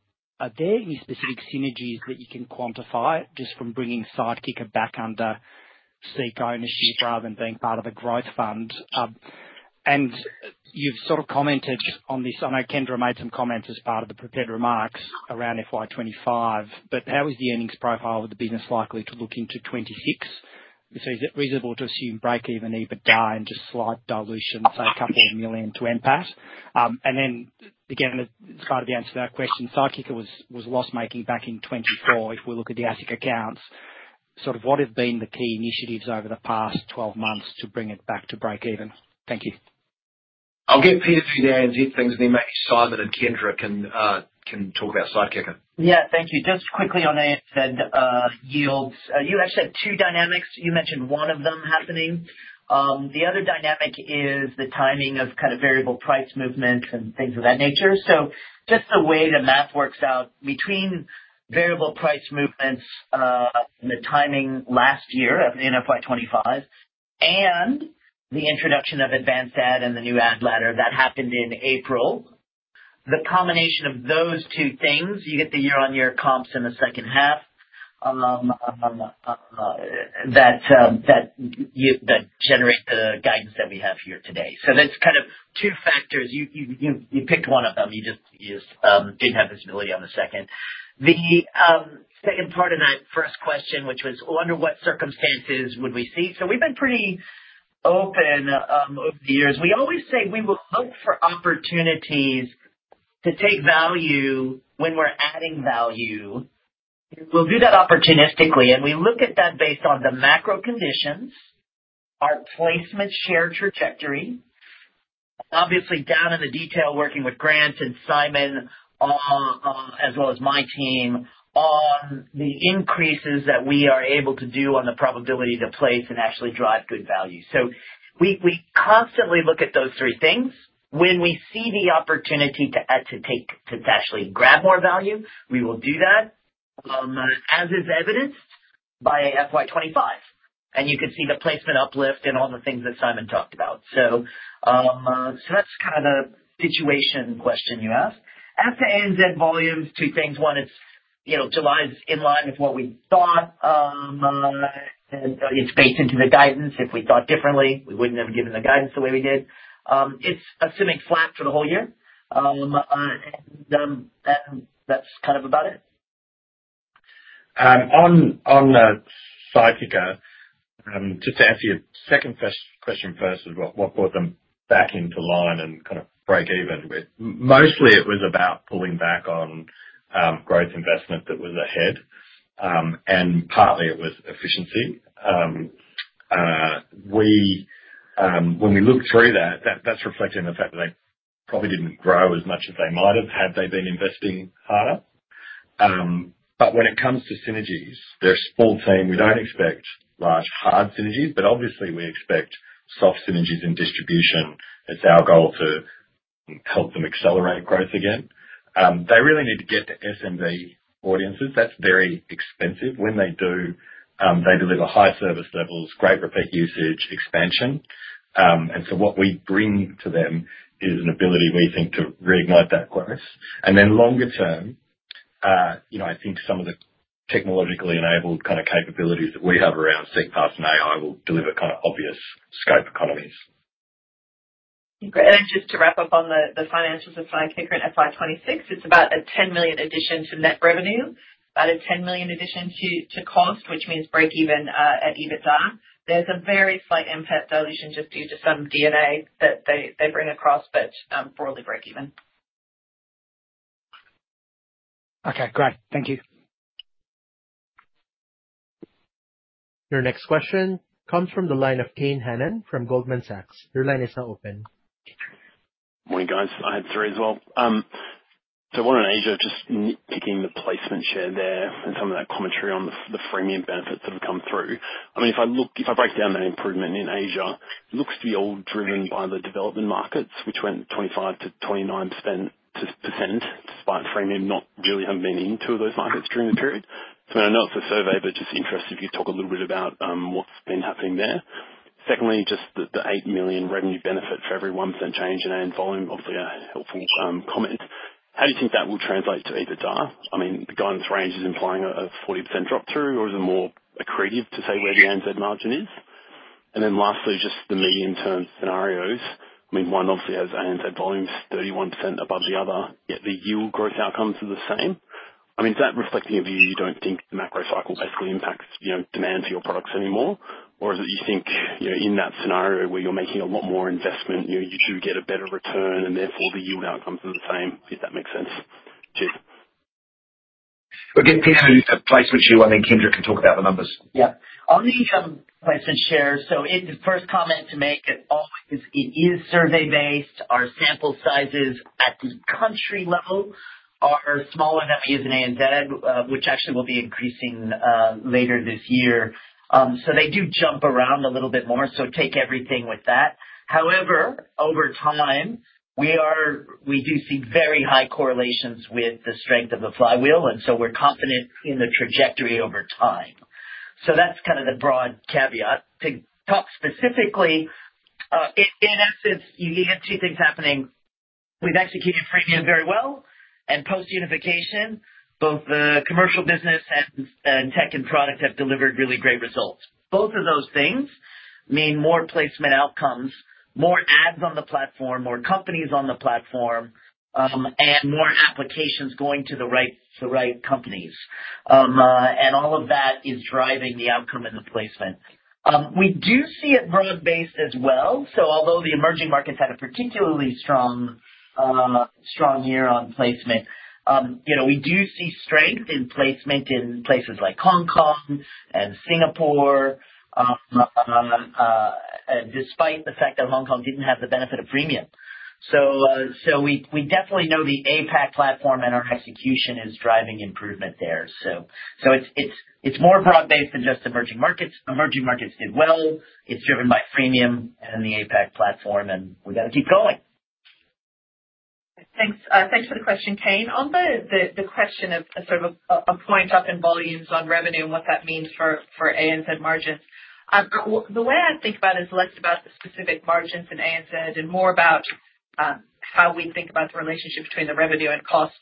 Are there any specific synergies that you can quantify just from bringing Sidekicker back under SEEK ownership rather than being part of the growth fund? And you've sort of commented on this. I know Kendra made some comments as part of the prepared remarks around FY25, but how is the earnings profile of the business likely to look into 2026? Is it reasonable to assume break-even EBITDA and just slight dilution, say, a couple of million to NPAT? Then, again, as part of the answer to that question, Sidekicker was loss-making back in 2024. If we look at the ASIC accounts, sort of what have been the key initiatives over the past 12 months to bring it back to break-even? Thank you. I'll get Peter through there and zip things, and then maybe Simon and Kendra can talk about Sidekicker. Yeah, thank you. Just quickly on ANZ yields, you actually have two dynamics. You mentioned one of them happening. The other dynamic is the timing of kind of variable price movements and things of that nature. So just the way the math works out between variable price movements and the timing last year of the FY25 and the introduction of Advanced Ad and the new Ad Ladder that happened in April, the combination of those two things, you get the year-on-year comps in the second half that generate the guidance that we have here today. So that's kind of two factors. You picked one of them. You just didn't have visibility on the second. The second part of that first question, which was under what circumstances would we see? So we've been pretty open over the years. We always say we will look for opportunities to take value when we're adding value. We'll do that opportunistically, and we look at that based on the macro conditions, our placement share trajectory, and obviously down in the detail working with Grant and Simon, as well as my team, on the increases that we are able to do on the probability to place and actually drive good value. So we constantly look at those three things. When we see the opportunity to actually grab more value, we will do that, as is evidenced by FY25, and you can see the placement uplift and all the things that Simon talked about, so that's kind of the situation question you asked. As to ANZ volumes, two things. One, July is in line with what we thought, and it's based into the guidance. If we thought differently, we wouldn't have given the guidance the way we did. It's assuming flat for the whole year, and that's kind of about it. On Sidekicker, just to answer your second question first, is what brought them back into line and kind of break-even with. Mostly, it was about pulling back on growth investment that was ahead, and partly, it was efficiency. When we look through that, that's reflecting the fact that they probably didn't grow as much as they might have had they been investing harder, but when it comes to synergies, they're a small team. We don't expect large hard synergies, but obviously, we expect soft synergies in distribution. It's our goal to help them accelerate growth again. They really need to get to SMB audiences. That's very expensive. When they do, they deliver high service levels, great repeat usage expansion, and so what we bring to them is an ability, we think, to reignite that growth. And then longer term, I think some of the technologically enabled kind of capabilities that we have around SeekPath and AI will deliver kind of obvious scope economies. Just to wrap up on the finances of Sidekicker and FY26, it's about a 10 million addition to net revenue, about a 10 million addition to cost, which means break-even at EBITDA. There's a very slight NPAT dilution just due to some DNA that they bring across, but broadly break-even. Okay, great. Thank you. Your next question comes from the line of Kane Hannan from Goldman Sachs. Your line is now open. Morning, guys. I had three as well. So one on Asia, just picking the placement share there and some of that commentary on the freemium benefits that have come through. I mean, if I break down that improvement in Asia, it looks to be all driven by the developing markets, which went 25%-29%, despite freemium not really having been into those markets during the period. So I mean, I know it's a survey, but just interested if you could talk a little bit about what's been happening there. Secondly, just the 8 million revenue benefit for every 1% change in ANZ volume, obviously a helpful comment. How do you think that will translate to EBITDA? I mean, the guidance range is implying a 40% drop through, or is it more accretive to say where the ANZ margin is? And then lastly, just the medium-term scenarios. I mean, one obviously has ANZ volumes 31% above the other, yet the yield growth outcomes are the same. I mean, is that reflecting a view you don't think the macro cycle basically impacts demand for your products anymore? Or is it you think in that scenario where you're making a lot more investment, you do get a better return, and therefore the yield outcomes are the same, if that makes sense? We'll get Peter to do the placement share. I think Kendra can talk about the numbers. Yeah. On the placement share, so the first comment to make is always it is survey-based. Our sample sizes at the country level are smaller than we use in ANZ, which actually will be increasing later this year, so they do jump around a little bit more, so take everything with that. However, over time, we do see very high correlations with the strength of the flywheel, and so we're confident in the trajectory over time, so that's kind of the broad caveat. To talk specifically, in essence, you get two things happening. We've executed freemium very well, and post-unification, both the commercial business and tech and product have delivered really great results. Both of those things mean more placement outcomes, more ads on the platform, more companies on the platform, and more applications going to the right companies, and all of that is driving the outcome and the placement. We do see it broad-based as well. Although the emerging markets had a particularly strong year on placement, we do see strength in placement in places like Hong Kong and Singapore, despite the fact that Hong Kong didn't have the benefit of freemium. We definitely know the APAC platform and our execution is driving improvement there. It's more broad-based than just emerging markets. Emerging markets did well. It's driven by freemium and the APAC platform, and we've got to keep going. Thanks for the question, Kane. On the question of sort of a point up in volumes on revenue and what that means for ANZ margins, the way I think about it is less about the specific margins in ANZ and more about how we think about the relationship between the revenue and cost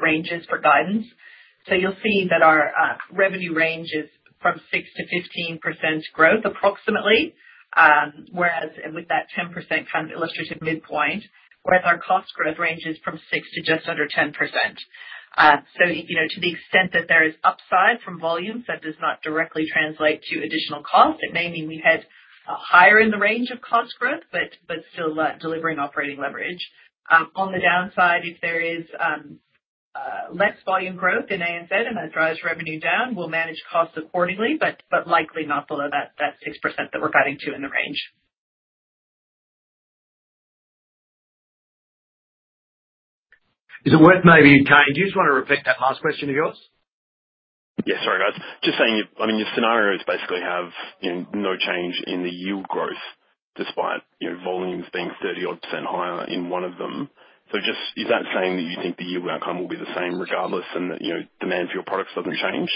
ranges for guidance. So you'll see that our revenue range is from 6%-15% growth approximately, whereas with that 10% kind of illustrative midpoint, whereas our cost growth ranges from 6% to just under 10%. So to the extent that there is upside from volumes, that does not directly translate to additional cost. It may mean we head higher in the range of cost growth, but still delivering operating leverage. On the downside, if there is less volume growth in ANZ and that drives revenue down, we'll manage costs accordingly, but likely not below that 6% that we're guiding to in the range. Is it worth maybe, Kane? Do you just want to repeat that last question of yours? Yeah, sorry, guys. Just saying, I mean, your scenarios basically have no change in the yield growth despite volumes being 30-odd% higher in one of them. So just is that saying that you think the yield outcome will be the same regardless and that demand for your products doesn't change?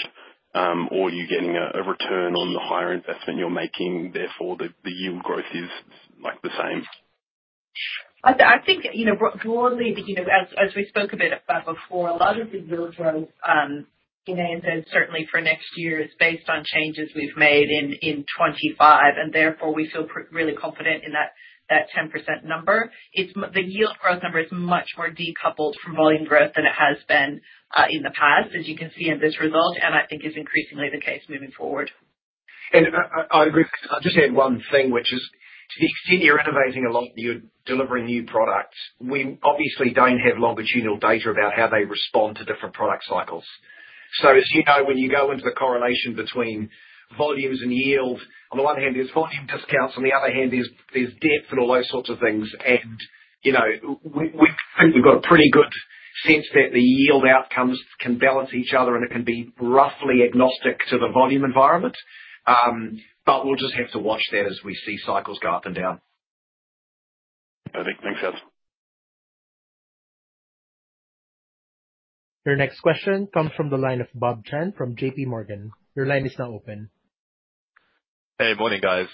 Or are you getting a return on the higher investment you're making, therefore the yield growth is the same? I think broadly, as we spoke a bit about before, a lot of the yield growth in ANZ certainly for next year is based on changes we've made in 2025, and therefore we feel really confident in that 10% number. The yield growth number is much more decoupled from volume growth than it has been in the past, as you can see in this result, and I think is increasingly the case moving forward. And I'll just add one thing, which is to the extent you're innovating a lot and you're delivering new products, we obviously don't have longitudinal data about how they respond to different product cycles. So as you know, when you go into the correlation between volumes and yield, on the one hand, there's volume discounts. On the other hand, there's depth and all those sorts of things. And we think we've got a pretty good sense that the yield outcomes can balance each other, and it can be roughly agnostic to the volume environment. But we'll just have to watch that as we see cycles go up and down. I think. Thanks, guys. Your next question comes from the line of Bob Chen from J.P. Morgan. Your line is now open. Hey, morning, guys.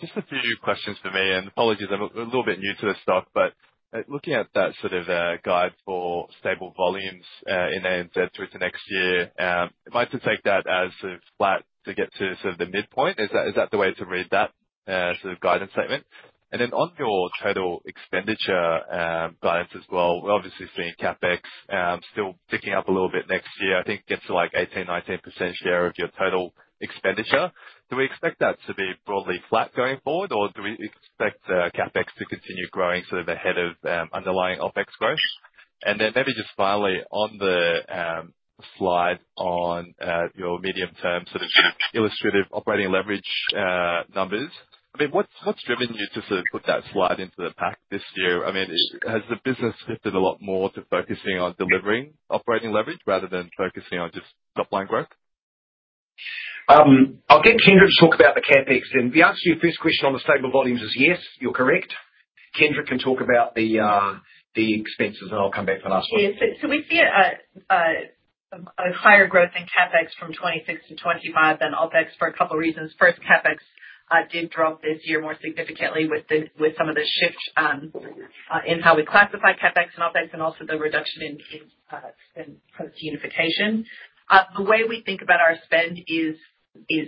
Just a few questions for me. And apologies, I'm a little bit new to this stuff, but looking at that sort of guidance for stable volumes in ANZ through to next year, it might take that as flat to get to sort of the midpoint. Is that the way to read that sort of guidance statement? And then on your total expenditure guidance as well, we're obviously seeing CapEx still picking up a little bit next year. I think it's like 18%-19% share of your total expenditure. Do we expect that to be broadly flat going forward, or do we expect CapEx to continue growing sort of ahead of underlying OpEx growth? And then maybe just finally on the slide on your medium-term sort of illustrative operating leverage numbers, I mean, what's driven you to sort of put that slide into the pack this year? I mean, has the business shifted a lot more to focusing on delivering operating leverage rather than focusing on just top-line growth? I'll get Kendra to talk about the CapEx. And the answer to your first question on the stable volumes is yes, you're correct. Kendra can talk about the expenses, and I'll come back to that as well. Yeah. So we see a higher growth in CapEx from 2026 to 2025 than OpEx for a couple of reasons. First, CapEx did drop this year more significantly with some of the shift in how we classify CapEx and OpEx, and also the reduction in unification. The way we think about our spend is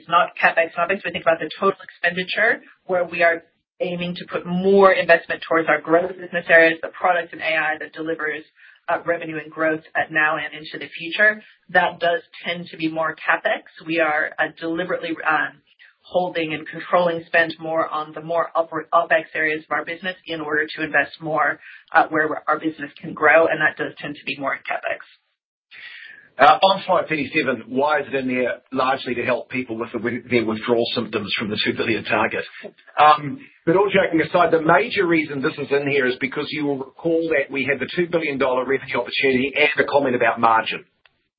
not CapEx and OpEx. We think about the total expenditure, where we are aiming to put more investment towards our growth business areas, the products and AI that delivers revenue and growth now and into the future. That does tend to be more CapEx. We are deliberately holding and controlling spend more on the more OpEx areas of our business in order to invest more where our business can grow. And that does tend to be more in CapEx. In slide 37. Why is it in there? Largely to help people with their withdrawal symptoms from the 2 billion target, but all joking aside, the major reason this is in here is because you will recall that we had the 2 billion dollar revenue opportunity and a comment about margin,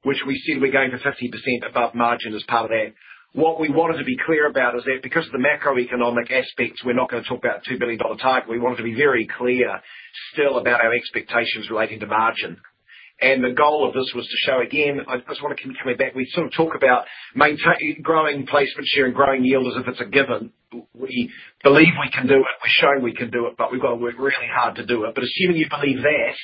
which we said we're going for 50% above margin as part of that. What we wanted to be clear about is that because of the macroeconomic aspects, we're not going to talk about a 2 billion dollar target. We wanted to be very clear still about our expectations relating to margin, and the goal of this was to show again, I just want to come back. We sort of talk about growing placement share and growing yield as if it's a given. We believe we can do it. We're showing we can do it, but we've got to work really hard to do it. But assuming you believe that,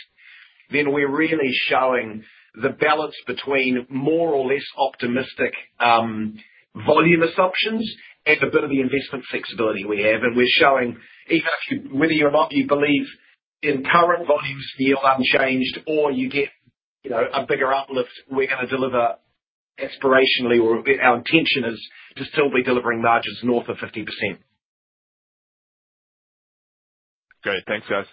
then we're really showing the balance between more or less optimistic volume assumptions and a bit of the investment flexibility we have. And we're showing even whether you or not, you believe in current volumes, yield unchanged, or you get a bigger uplift, we're going to deliver aspirationally, or our intention is to still be delivering margins north of 50%. Great. Thanks, guys.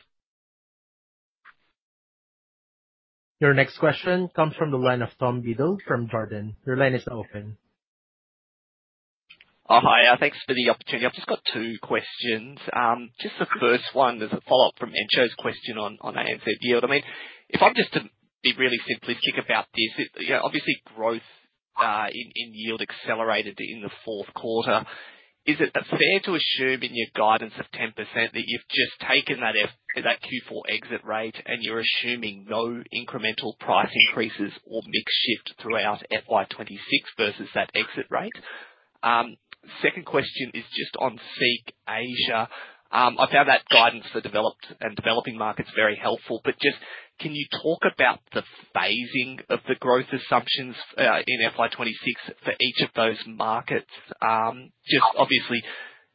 Your next question comes from the line of Tom Beadle from Jarden. Your line is now open. Hi. Thanks for the opportunity. I've just got two questions. Just the first one is a follow-up from Entcho's question on ANZ yield. I mean, if I'm just to be really simplistic about this, obviously growth in yield accelerated in the fourth quarter. Is it fair to assume in your guidance of 10% that you've just taken that Q4 exit rate and you're assuming no incremental price increases or mix shift throughout FY26 versus that exit rate? Second question is just on SEEK Asia. I found that guidance for developed and developing markets very helpful, but just can you talk about the phasing of the growth assumptions in FY26 for each of those markets? Just obviously,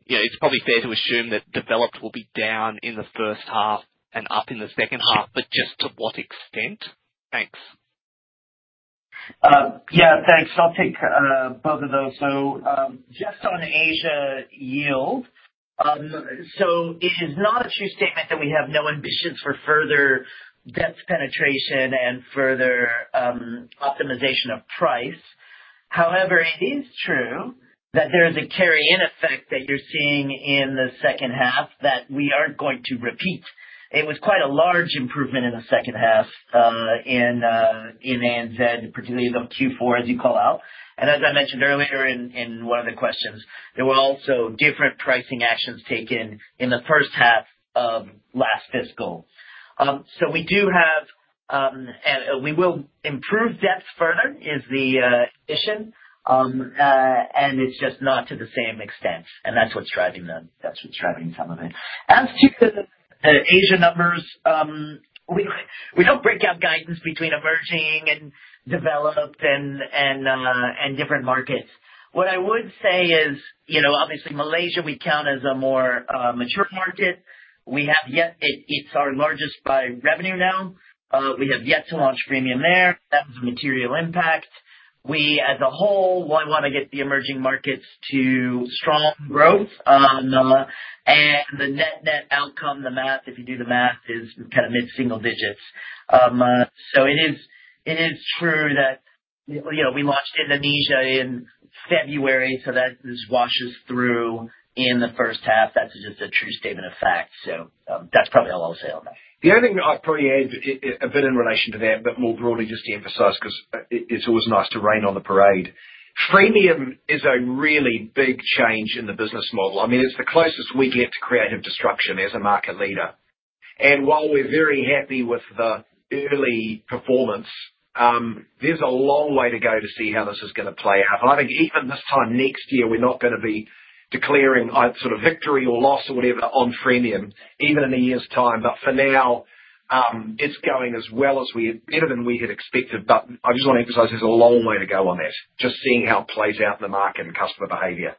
it's probably fair to assume that developed will be down in the first half and up in the second half, but just to what extent? Thanks. Yeah, thanks. I'll take both of those. So just on Asia yield, so it is not a true statement that we have no ambitions for further depth penetration and further optimization of price. However, it is true that there is a carry-in effect that you're seeing in the second half that we aren't going to repeat. It was quite a large improvement in the second half in ANZ, particularly the Q4, as you call out. And as I mentioned earlier in one of the questions, there were also different pricing actions taken in the first half of last fiscal. So we do have and we will improve depth further is the ambition, and it's just not to the same extent. And that's what's driving them. That's what's driving some of it. As to the Asia numbers, we don't break out guidance between emerging and developed and different markets. What I would say is, obviously, Malaysia we count as a more mature market. We have. Yet it's our largest by revenue now. We have yet to launch freemium there. That was a material impact. We, as a whole, want to get the emerging markets to strong growth, and the net-net outcome, the math, if you do the math, is kind of mid-single digits, so it is true that we launched Indonesia in February, so that just washes through in the first half. That's just a true statement of fact, so that's probably all I'll say on that. The only thing I'd probably add a bit in relation to that, but more broadly just to emphasize because it's always nice to rain on the parade. Freemium is a really big change in the business model. I mean, it's the closest we get to creative destruction as a market leader, and while we're very happy with the early performance, there's a long way to go to see how this is going to play out, and I think even this time next year, we're not going to be declaring sort of victory or loss or whatever on freemium, even in a year's time, but for now, it's going as well as we had, better than we had expected, but I just want to emphasize there's a long way to go on that, just seeing how it plays out in the market and customer behavior.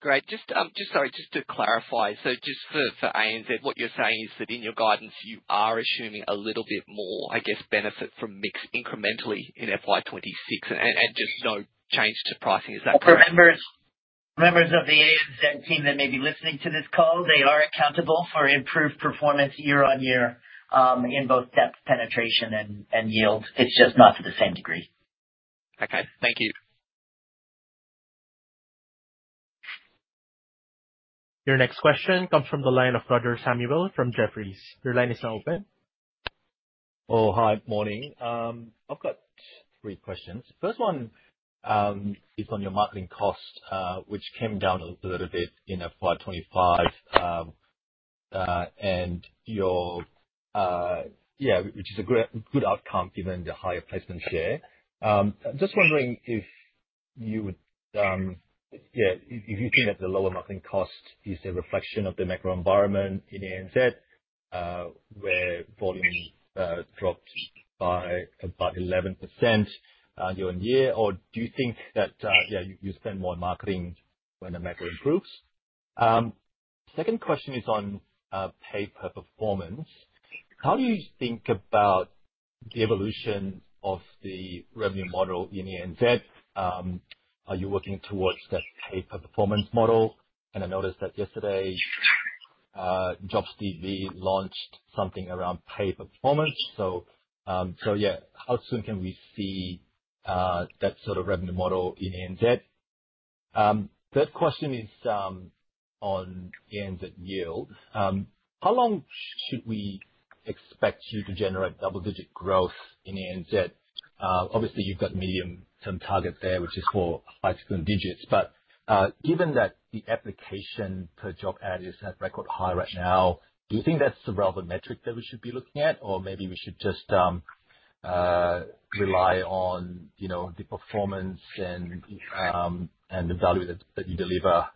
Great. Just sorry, just to clarify. So just for ANZ, what you're saying is that in your guidance, you are assuming a little bit more, I guess, benefit from mix incrementally in FY26 and just no change to pricing. Is that correct? For members of the ANZ team that may be listening to this call, they are accountable for improved performance year on year in both depth penetration and yield. It's just not to the same degree. Okay. Thank you. Your next question comes from the line of Roger Samuel from Jefferies. Your line is now open. Oh, hi. Morning. I've got three questions. First one is on your marketing cost, which came down a little bit in FY25, which is a good outcome given the higher placement share. Just wondering if you think that the lower marketing cost is a reflection of the macro environment in ANZ where volume dropped by about 11% year on year, or do you think that you spend more on marketing when the macro improves? Second question is on pay-for-performance. How do you think about the evolution of the revenue model in ANZ? Are you working towards that pay-for-performance model? And I noticed that yesterday, JobsDB launched something around pay-for-performance. So, how soon can we see that sort of revenue model in ANZ? Third question is on ANZ yield. How long should we expect you to generate double-digit growth in ANZ? Obviously, you've got medium-term targets there, which is for high-second digits. But given that the application per job ad is at record high right now, do you think that's a relevant metric that we should be looking at, or maybe we should just rely on the performance and the value that you deliver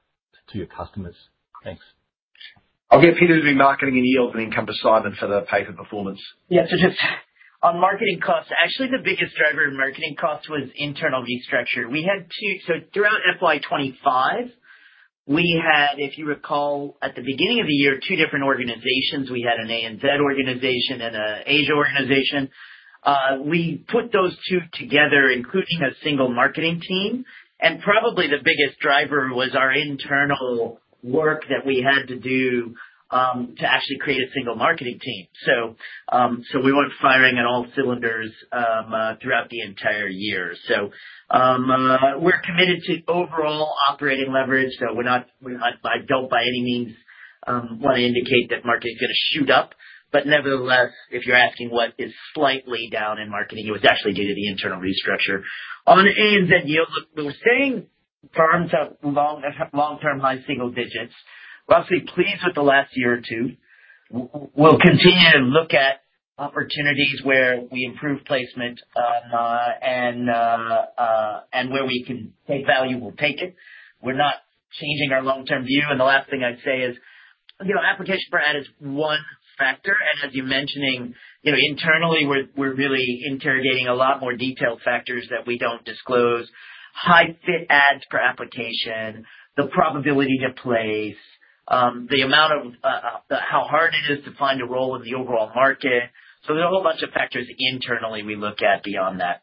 to your customers? Thanks. I'll get Peter to be marketing and yield and then come beside them for the pay-per-performance. Yeah. So just on marketing costs, actually the biggest driver of marketing costs was internal restructure. We had two. So throughout FY25, we had, if you recall, at the beginning of the year, two different organizations. We had an ANZ organization and an Asia organization. We put those two together, including a single marketing team. And probably the biggest driver was our internal work that we had to do to actually create a single marketing team. So we weren't firing on all cylinders throughout the entire year. So we're committed to overall operating leverage. So I don't by any means want to indicate that marketing is going to shoot up. But nevertheless, if you're asking what is slightly down in marketing, it was actually due to the internal restructure. On ANZ yield, we're staying firm to long-term high single digits. We're absolutely pleased with the last year or two. We'll continue to look at opportunities where we improve placement and where we can take value, we'll take it. We're not changing our long-term view. And the last thing I'd say is application per ad is one factor. And as you're mentioning, internally, we're really interrogating a lot more detailed factors that we don't disclose: high-fit ads per application, the probability to place, the amount of how hard it is to find a role in the overall market. So there's a whole bunch of factors internally we look at beyond that.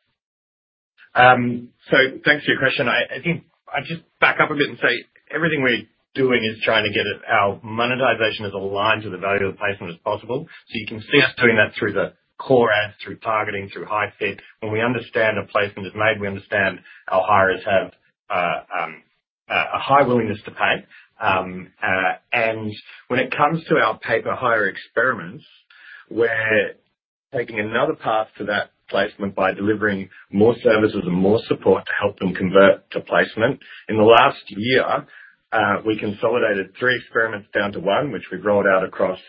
So thanks for your question. I think I'll just back up a bit and say everything we're doing is trying to get our monetization as aligned to the value of placement as possible. So you can see us doing that through the core ads, through targeting, through high-fit. When we understand a placement is made, we understand our hires have a high willingness to pay. And when it comes to our pay-per-hire experiments, we're taking another path to that placement by delivering more services and more support to help them convert to placement. In the last year, we consolidated three experiments down to one, which we've rolled out across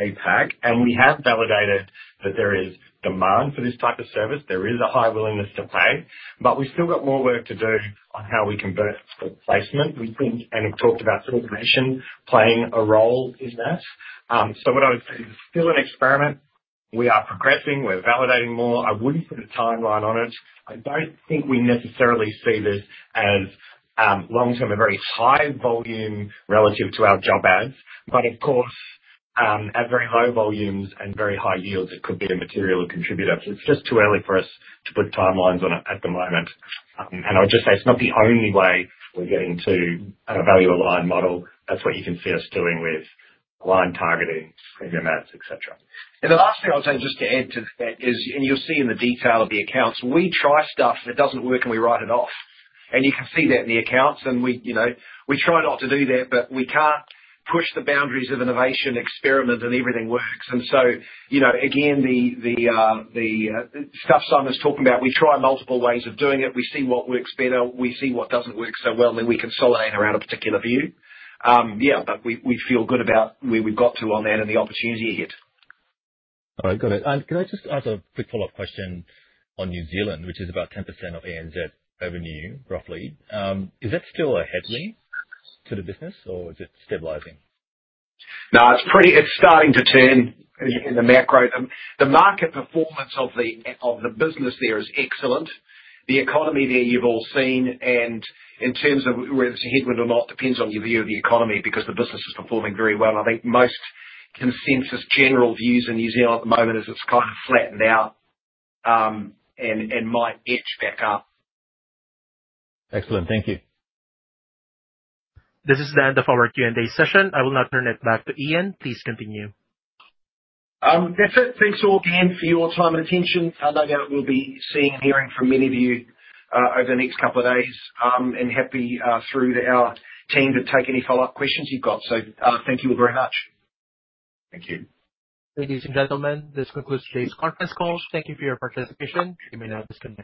APAC. And we have validated that there is demand for this type of service. There is a high willingness to pay. But we've still got more work to do on how we convert to placement. We think, and we've talked about automation playing a role in that, so what I would say is still an experiment. We are progressing. We're validating more. I wouldn't put a timeline on it. I don't think we necessarily see this as long-term, a very high volume relative to our job ads, but of course, at very low volumes and very high yields, it could be a material contributor. It's just too early for us to put timelines on it at the moment, and I would just say it's not the only way we're getting to a value-aligned model. That's what you can see us doing with aligned targeting, premium ads, etc., and the last thing I'll say just to add to that is, and you'll see in the detail of the accounts, we try stuff. If it doesn't work, we write it off. And you can see that in the accounts. And we try not to do that, but we can't push the boundaries of innovation, experiment, and everything works. And so again, the stuff Simon's talking about, we try multiple ways of doing it. We see what works better. We see what doesn't work so well. And then we consolidate around a particular view. Yeah, but we feel good about where we've got to on that and the opportunity ahead. All right. Got it. And can I just ask a quick follow-up question on New Zealand, which is about 10% of ANZ revenue, roughly? Is that still a headwind to the business, or is it stabilizing? No, it's starting to turn in the macro. The market performance of the business there is excellent. The economy there you've all seen, and in terms of whether it's a headwind or not, depends on your view of the economy because the business is performing very well, and I think most consensus general views in New Zealand at the moment is it's kind of flattened out and might edge back up. Excellent. Thank you. This is the end of our Q&A session. I will now turn it back to Ian. Please continue. That's it. Thanks all again for your time and attention. I know that we'll be seeing and hearing from many of you over the next couple of days. And hand through to our team to take any follow-up questions you've got. So thank you all very much. Thank you. Ladies and gentlemen, this concludes today's conference call. Thank you for your participation. You may now disconnect.